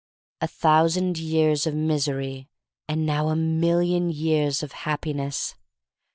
A thousand years of misery — and now a million years of Happiness.